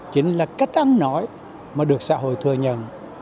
chính là cách ăn nổi mà được xã hội thừa nhận